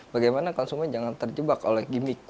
bagaimana konsumen jangan terjebak oleh gimmick